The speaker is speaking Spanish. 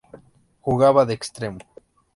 Jugaba de extremo.